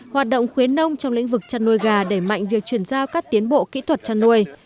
hoạt động khuyến nông trong lĩnh vực chăn nuôi gà đẩy mạnh việc chuyển giao các tiến bộ kỹ thuật chăn nuôi